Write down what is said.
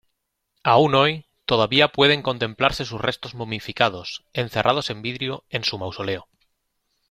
Aún hoy, todavía pueden contemplarse sus restos momificados, encerrados en vidrio, en su mausoleo.